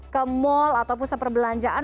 ke mall atau pusat perbelanjaan